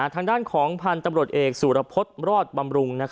ทางด้านของผ่านตำรวจเอกสุรพสรอดบำรุง